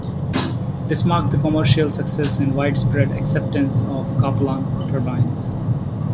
This marked the commercial success and widespread acceptance of Kaplan turbines.